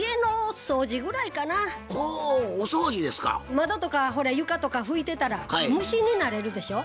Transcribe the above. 窓とか床とか拭いてたら無心になれるでしょ。